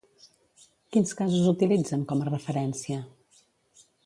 Quins casos utilitzen com a referència?